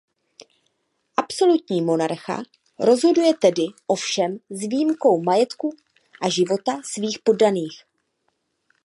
Absolutní monarcha rozhoduje tedy o všem s výjimkou majetku a života svých poddaných.